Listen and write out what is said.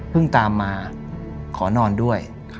เพิ่งตามมาขอนอนด้วย